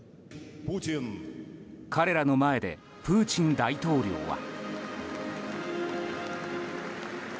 彼らの前でプーチン大統領は。